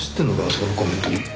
そのコメントに。